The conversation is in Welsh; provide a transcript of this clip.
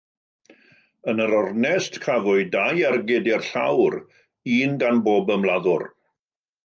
Yn yr ornest, cafwyd dau ergyd i'r llawr, un gan bob ymladdwr.